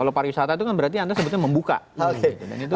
kalau pariwisata itu kan berarti anda sebetulnya membuka hal itu